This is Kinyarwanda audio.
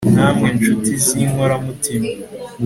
namwe nshuti z'inkora mutima